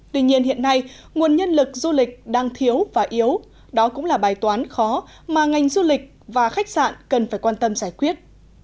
tuy nhiên hiện nay nguồn nhân lực du lịch đang thiếu và yếu đó cũng là bài toán khó mà ngành du lịch và khách sạn cần phải quan tâm giải quyết